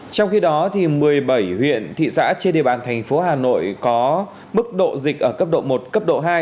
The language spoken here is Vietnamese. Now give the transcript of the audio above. trong khi đó một mươi bảy huyện thị xã trên địa bàn thành phố hà nội có mức độ dịch ở cấp độ một cấp độ hai